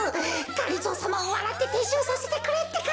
がりぞーさまをわらっててっしゅうさせてくれってか！